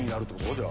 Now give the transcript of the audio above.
じゃあ。